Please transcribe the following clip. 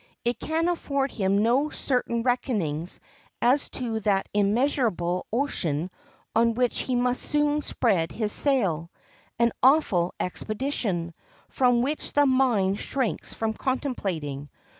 It can afford him no certain reckonings as to that immeasurable ocean on which he must soon spread his sail—an awful expedition, from which the mind shrinks from contemplating.